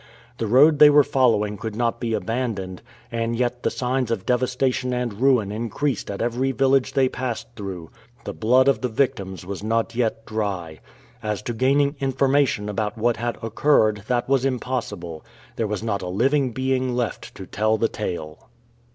The road they were following could not be abandoned, and yet the signs of devastation and ruin increased at every village they passed through. The blood of the victims was not yet dry. As to gaining information about what had occurred, that was impossible. There was not a living being left to tell the tale.